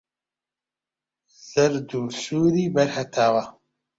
زەرد و سووری بەر هەتاوە